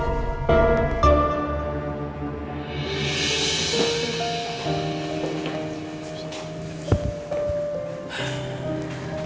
nanti pak bos